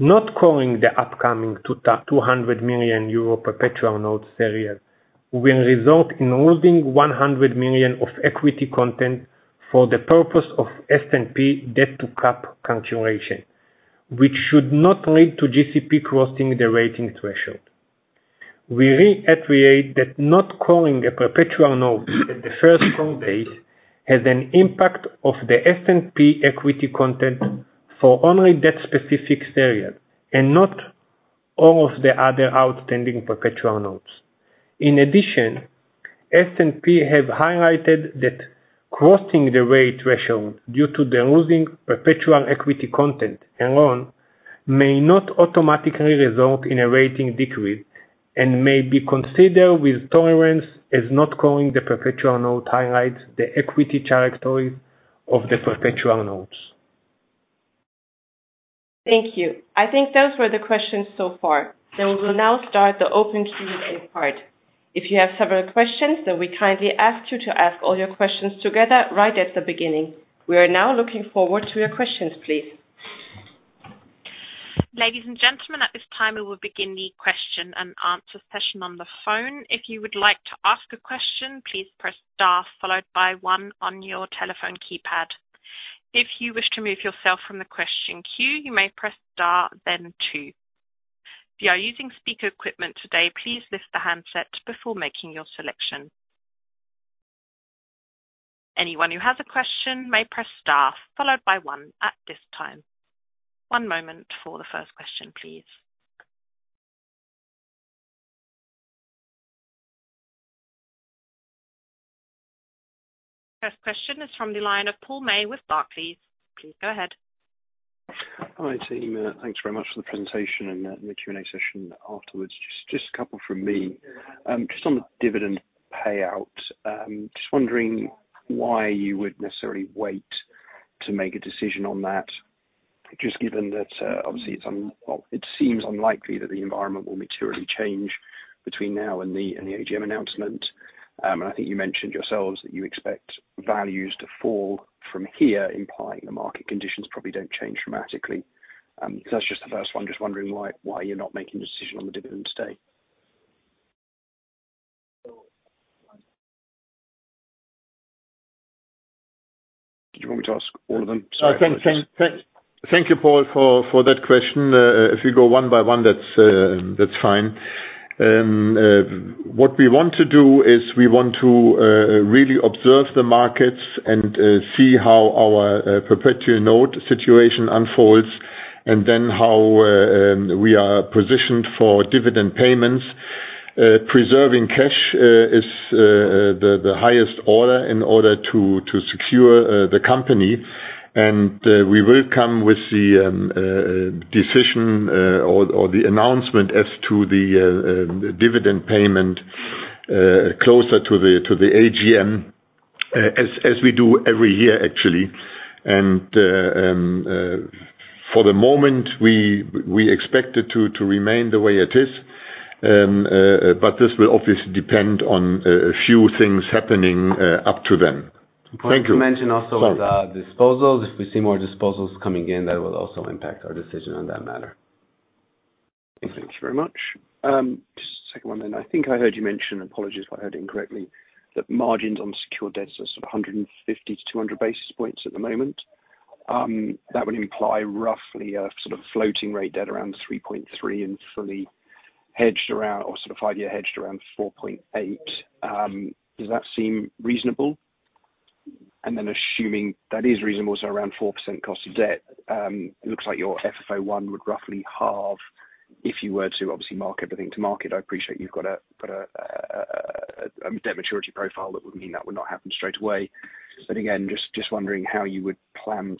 Not calling the upcoming 200 million euro perpetual notes area will result in losing 100 million of equity content for the purpose of S&P debt to cap calculation, which should not lead to GCP crossing the rating threshold. We reiterate that not calling a perpetual note at the first call date has an impact of the S&P equity content for only that specific area, not all of the other outstanding perpetual notes. In addition, S&P have highlighted that crossing the rating threshold due to the losing perpetual equity content alone may not automatically result in a rating decrease, and may be considered with tolerance as not calling the perpetual note highlights the equity territory of the perpetual notes. Thank you. I think those were the questions so far. We will now start the open Q&A part. If you have several questions, we kindly ask you to ask all your questions together right at the beginning. We are now looking forward to your questions, please. Ladies and gentlemen, at this time, we will begin the question and answer session on the phone. If you would like to ask a question, please press star followed by one on your telephone keypad. If you wish to remove yourself from the question queue, you may press star then two. If you are using speaker equipment today, please lift the handset before making your selection. Anyone who has a question may press star followed by one at this time. One moment for the first question, please. First question is from the line of Paul May with Barclays. Please go ahead. Hi, team. Thanks very much for the presentation and the Q&A session afterwards. Just a couple from me. Just on the dividend payout, just wondering why you would necessarily wait to make a decision on that, just given that, obviously, it seems unlikely that the environment will materially change between now and the AGM announcement. I think you mentioned yourselves that you expect values to fall from here, implying the market conditions probably don't change dramatically. That's just the first one. Just wondering why you're not making a decision on the dividend today. Do you want me to ask all of them? Sorry. Thank you, Paul, for that question. If you go one by one, that's fine. What we want to do is we want to really observe the markets and see how our perpetual note situation unfolds, and then how we are positioned for dividend payments. Preserving cash is the highest order in order to secure the company. We will come with the decision or the announcement as to the dividend payment closer to the AGM, as we do every year, actually. For the moment, we expect it to remain the way it is. This will obviously depend on a few things happening up to then. Thank you. We want to mention also the disposals. If we see more disposals coming in, that will also impact our decision on that matter. Thank you very much. Just a second one. I think I heard you mention, apologies if I heard incorrectly, that margins on secure debts are sort of 150-200 basis points at the moment. That would imply roughly a sort of floating rate debt around 3.3 and fully hedged around or sort of five-year hedged around 4.8. Does that seem reasonable? Assuming that is reasonable, so around 4% cost of debt, it looks like your FFO I would roughly halve if you were to obviously mark everything to market. I appreciate you've got a debt maturity profile that would mean that would not happen straight away. Again, just wondering how you would plan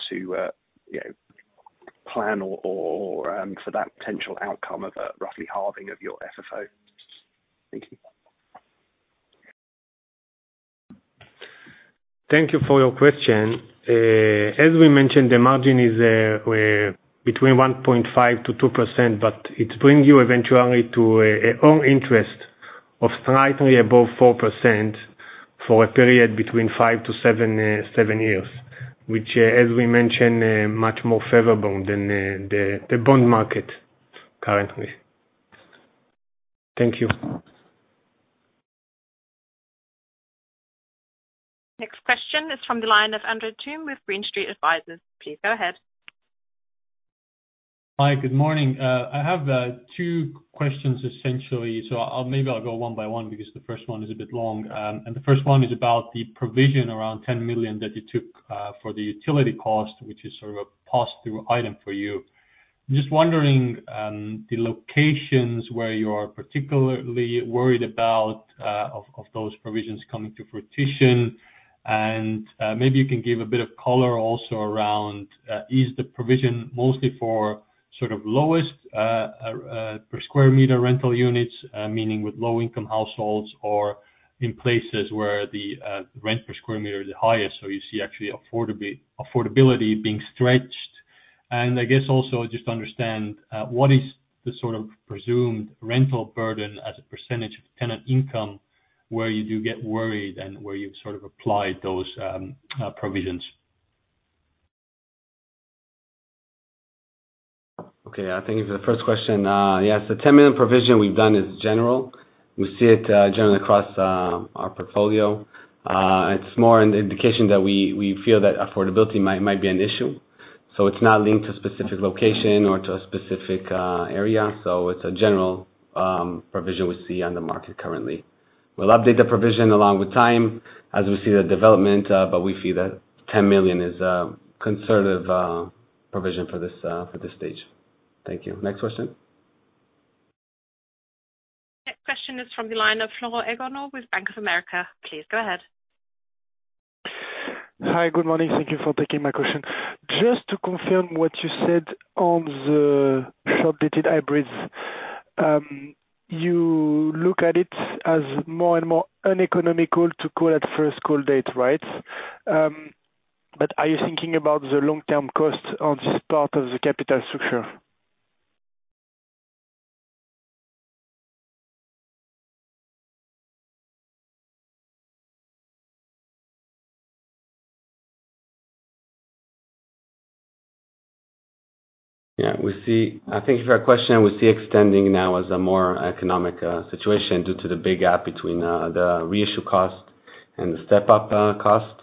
or for that potential outcome of roughly halving of your FFO. Thank you. Thank you for your question. As we mentioned, the margin is between 1.5%-2%, but it brings you eventually to an earn interest of slightly above 4% for a period between five to seven years, which, as we mentioned, much more favorable than the bond market currently. Thank you. Next question is from the line of Andres Toome with Green Street Advisors. Please go ahead. Hi. Good morning. I have two questions, essentially. Maybe I'll go one by one because the first one is a bit long. The first one is about the provision around 10 million that you took for the utility cost, which is sort of a pass-through item for you. I'm just wondering the locations where you are particularly worried about of those provisions coming to fruition. Maybe you can give a bit of color also around, is the provision mostly for sort of lowest per square meter rental units, meaning with low-income households or in places where the rent per square meter is the highest, so you see actually affordability being stretched. I guess also just to understand, what is the sort of presumed rental burden as a percentage of tenant income where you do get worried and where you've sort of applied those provisions? Okay. I think the first question, yes, the 10 million provision we've done is general. We see it generally across our portfolio. It's more an indication that we feel that affordability might be an issue. It's not linked to a specific location or to a specific area. It's a general provision we see on the market currently. We'll update the provision along with time as we see the development, but we feel that 10 million is a conservative provision for this stage. Thank you. Next question. Next question is from the line of Florent Egonneau with Bank of America. Please go ahead. Hi. Good morning. Thank you for taking my question. Just to confirm what you said on the short-dated hybrids. You look at it as more and more uneconomical to call at first call date, right? Are you thinking about the long-term cost on this part of the capital structure? Yeah. Thank you for your question. We see extending now as a more economic situation due to the big gap between the reissue cost and the step-up cost.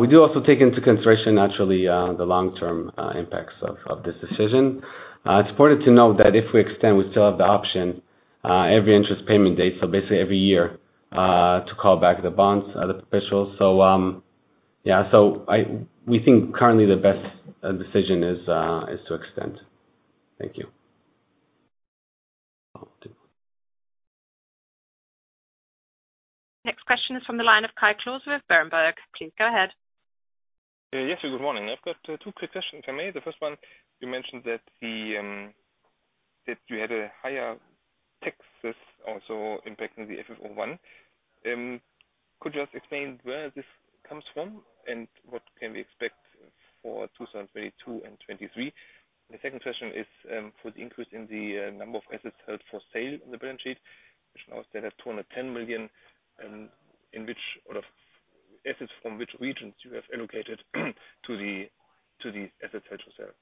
We do also take into consideration, naturally, the long-term impacts of this decision. It's important to note that if we extend, we still have the option every interest payment date, so basically every year, to call back the bonds, the perpetual. We think currently the best decision is to extend. Thank you. Next question is from the line of Kai Klose with Berenberg. Please go ahead. Yes. Good morning. I've got two quick questions if I may. The first one, you mentioned that you had a higher tax that's also impacting the FFO I. Could you just explain where this comes from and what can we expect for 2022 and 2023? The second question is, for the increase in the number of assets held for sale on the balance sheet, which now state has 210 million, and assets from which regions you have allocated to the assets held for sale.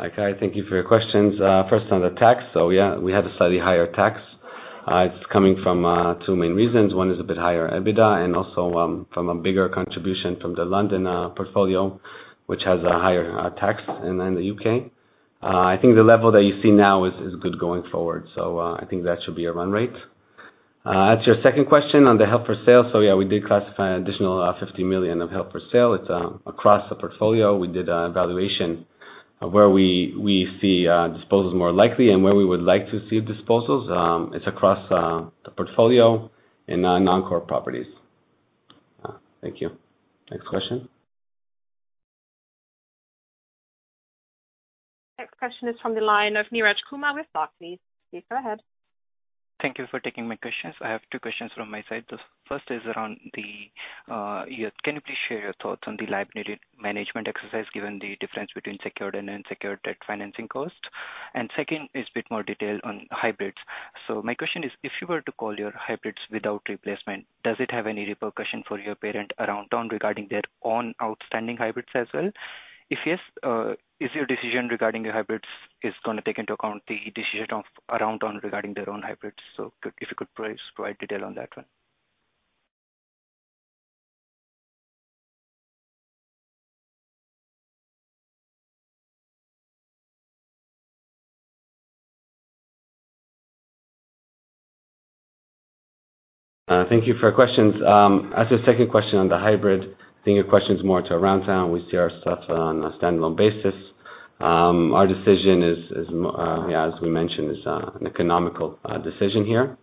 Hi, Kai. Thank you for your questions. First on the tax. We have a slightly higher tax. It's coming from two main reasons. One is a bit higher EBITDA and also from a bigger contribution from the London portfolio, which has a higher tax in the U.K. I think the level that you see now is good going forward. I think that should be a run rate. As to your second question on the held for sale. We did classify an additional 50 million of held for sale. It's across the portfolio. We did a valuation of where we see disposals more likely and where we would like to see disposals. It's across the portfolio in non-core properties. Thank you. Next question. Next question is from the line of Neeraj Kumar with Barclays. Please go ahead. Thank you for taking my questions. I have two questions from my side. The first is on the, can you please share your thoughts on the liability management exercise, given the difference between secured and unsecured debt financing costs? Second is a bit more detail on hybrids. My question is, if you were to call your hybrids without replacement, does it have any repercussion for your parent Aroundtown regarding their own outstanding hybrids as well? If yes, is your decision regarding your hybrids is going to take into account the decision of Aroundtown regarding their own hybrids? If you could please provide detail on that one. Thank you for your questions. As to your second question on the hybrid, I think your question is more to Aroundtown. We see ourselves on a standalone basis. Our decision is, as we mentioned, an economic decision here.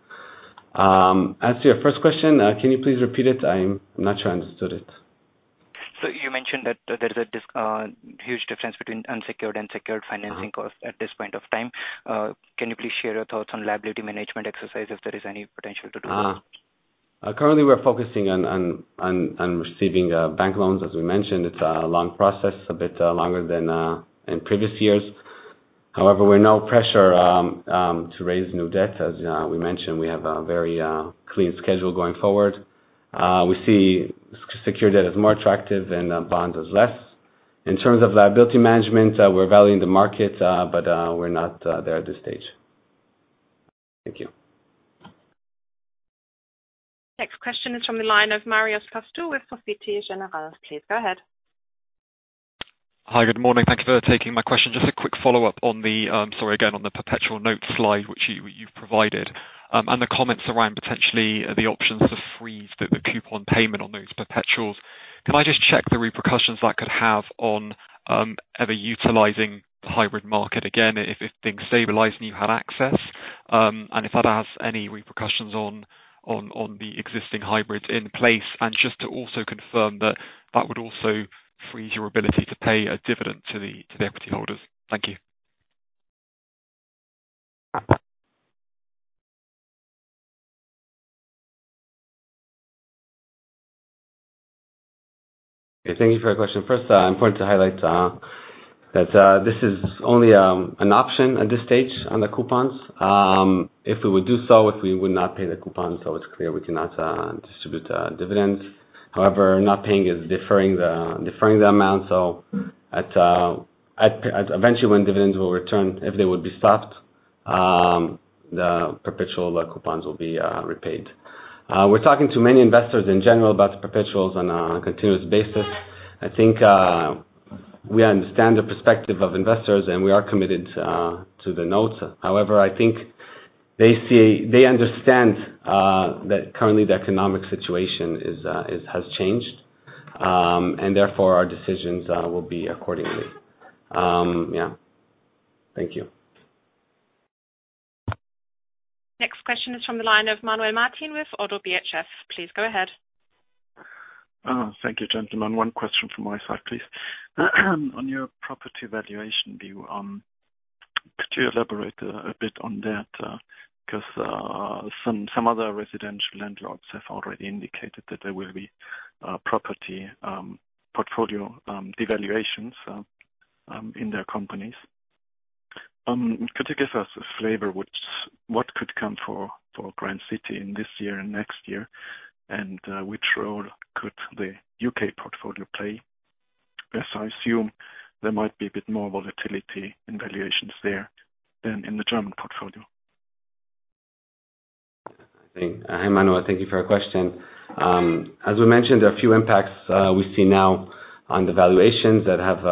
As to your first question, can you please repeat it? I'm not sure I understood it. You mentioned that there is a huge difference between unsecured and secured financing costs at this point in time. Can you please share your thoughts on liability management exercise, if there is any potential to do that? Currently, we're focusing on receiving bank loans. As we mentioned, it's a long process, a bit longer than in previous years. However, we're under no pressure to raise new debt. As we mentioned, we have a very clean schedule going forward. We see secured debt as more attractive than bonds as less. In terms of liability management, we're valuing the market, but we're not there at this stage. Thank you. Next question is from the line of Marios Pastou with Societe Generale. Please go ahead. Hi. Good morning. Thank you for taking my question. Just a quick follow-up on the, sorry again, on the perpetual note slide, which you've provided, and the comments around potentially the options to freeze the coupon payment on those perpetuals. Can I just check the repercussions that could have on ever utilizing the hybrid market again, if things stabilize and you had access? If that has any repercussions on the existing hybrids in place. Just to also confirm that would also freeze your ability to pay a dividend to the equity holders. Thank you. Thank you for your question. First, important to highlight that this is only an option at this stage on the coupons. If we would do so, if we would not pay the coupon, so it's clear we cannot distribute dividends. However, not paying is deferring the amount, so eventually when dividends will return, if they would be stopped, the perpetual coupons will be repaid. We're talking to many investors in general about the perpetuals on a continuous basis. I think I understand the perspective of investors, and we are committed to the notes. However, I think they understand that currently the economic situation has changed, and therefore our decisions will be accordingly. Yeah. Thank you. Next question is from the line of Manuel Martin with ODDO BHF. Please go ahead. Thank you, gentlemen. One question from my side, please. Could you elaborate a bit on that? Because some other residential landlords have already indicated that there will be property portfolio devaluations in their companies. Could you give us a flavor what could come for Grand City in this year and next year, and which role could the U.K. portfolio play? As I assume there might be a bit more volatility in valuations there than in the German portfolio. Hi, Manuel. Thank you for your question. As we mentioned, there are few impacts we see now on the valuations that have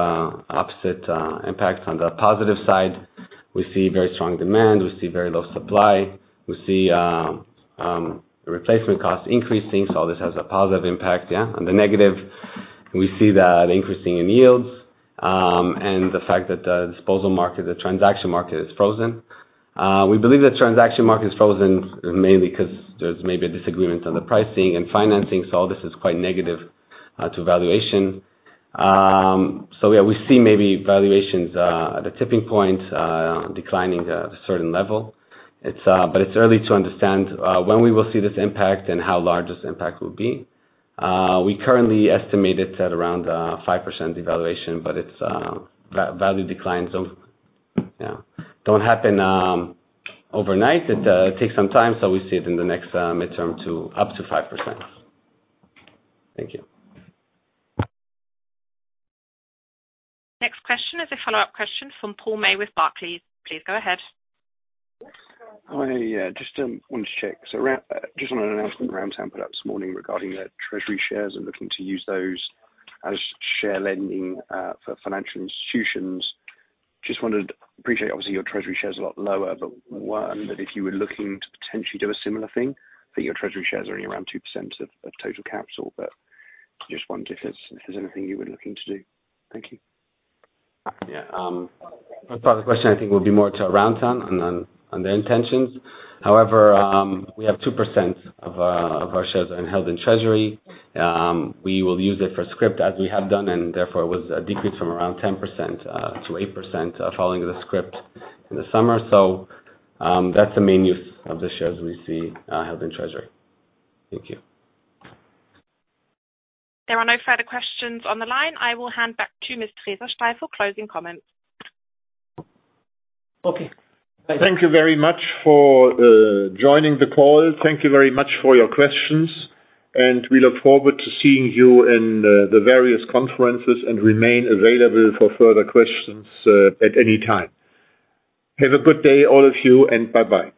opposite impact. On the positive side, we see very strong demand, we see very low supply. We see replacement costs increasing. This has a positive impact, yeah. On the negative, we see that increasing in yields, and the fact that the disposal market, the transaction market, is frozen. We believe the transaction market is frozen mainly because there's maybe a disagreement on the pricing and financing. All this is quite negative to valuation. Yeah, we see maybe valuations at a tipping point, declining at a certain level. It's early to understand when we will see this impact and how large this impact will be. We currently estimate it at around 5% devaluation. Value declines don't happen overnight. It takes some time. We see it in the next midterm to up to 5%. Thank you. Next question is a follow-up question from Paul May with Barclays. Please go ahead. Hi. Yeah, just wanted to check. Just on an announcement Aroundtown put out this morning regarding their treasury shares and looking to use those as share lending for financial institutions. I just wanted to appreciate, obviously, your treasury share is a lot lower, but one, that if you were looking to potentially do a similar thing, but your treasury shares are only around 2% of total capital. Just wondered if this is anything you were looking to do. Thank you. Yeah. That part of the question I think will be more to Aroundtown on their intentions. However, we have 2% of our shares held in treasury. We will use it for scrip as we have done, and therefore, it was a decrease from around 10% to 8% following the scrip in the summer. That's the main use of the shares we see held in treasury. Thank you. There are no further questions on the line. I will hand back to Mr. Christian Windfuhr for closing comments. Okay. Thank you very much for joining the call. Thank you very much for your questions, and we look forward to seeing you in the various conferences and remain available for further questions at any time. Have a good day, all of you, and bye-bye.